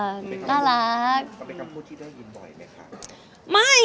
มันเป็นคำพูดที่ได้ยินบ่อยไหมค่ะ